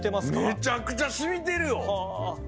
めちゃくちゃ染みてるよ！